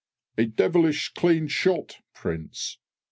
"A devilish clean shot, Prince!"